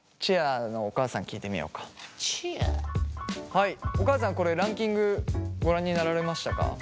はいお母さんこれランキングご覧になられましたか？